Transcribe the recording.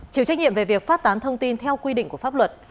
chịu trách nhiệm về việc phát tán thông tin theo quy định của pháp luật